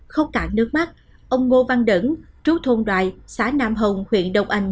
khóc cả nước mắt ông ngô văn đẩn trú thôn đoại xã nam hồng huyện đông anh